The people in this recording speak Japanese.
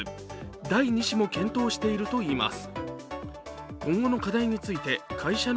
第２子も検討しているといいます。